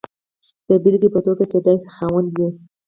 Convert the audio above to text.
د بېلګې په توګه کېدای شي خاوند وي.